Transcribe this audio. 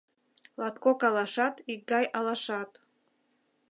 Латкок алашат икгай алашат